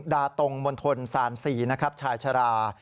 ดาตงมณฑล๓๔นะครับชายชรา